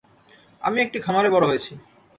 আমি একটা খামারে বড়ো হয়েছি।